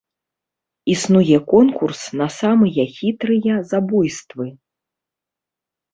Існуе конкурс на самыя хітрыя забойствы.